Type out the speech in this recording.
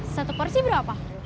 satu porsi berapa